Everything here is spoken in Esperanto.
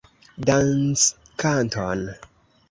Danckanton!